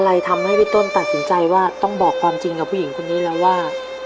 ทำให้พี่ต้นตัดสินใจว่าต้องบอกความจริงกับผู้หญิงคนนี้แล้วว่า